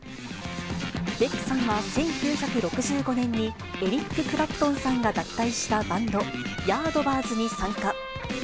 ベックさんは、１９６５年にエリック・クラプトンさんが脱退したバンド、ヤードバーズに参加。